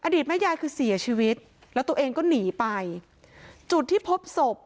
ตแม่ยายคือเสียชีวิตแล้วตัวเองก็หนีไปจุดที่พบศพ